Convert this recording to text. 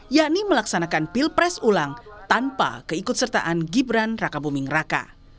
yakni melaksanakan pilpres ulang tanpa keikut sertaan gibran raka buming raka